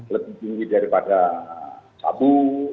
lebih tinggi daripada sabu